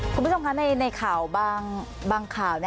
คุณผู้ชมคะในข่าวบางข่าว